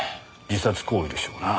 自殺行為でしょうな。